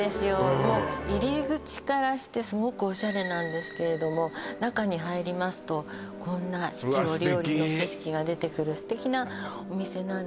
もう入り口からしてすごくオシャレなんですけれども中に入りますとこんなうわっ素敵四季折々の景色が出てくる素敵なお店なんです